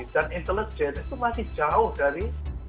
dan intelijen itu masih jauh dari